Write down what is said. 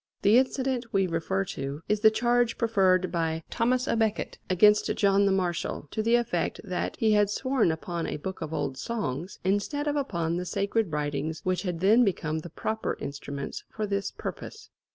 The incident we refer to is the charge preferred by Thomas à Becket against John the Marshal, to the effect that he had sworn upon a "book of old songs" instead of upon the sacred writings which had then become the proper instruments for this purpose.